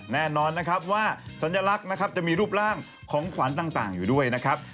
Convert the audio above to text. แน่นอนนะครับว่าสัญลักษณ์นะครับจะมีรูปร่างของขวัญต่างอยู่ด้วยนะครับ